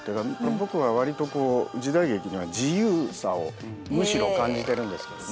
僕は割とこう時代劇には自由さをむしろ感じてるんですけどね。